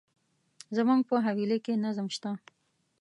زموږ په حویلی کي نظم شته.